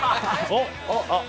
あっ！